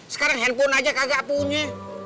sekarang handphone aja kagak punya